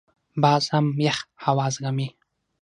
باز هم یخ هوا زغمي